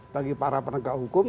bagi para penegak hukum